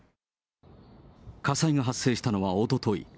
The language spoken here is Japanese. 火災が発生したのはおととい。